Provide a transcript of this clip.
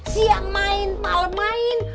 siap main malem main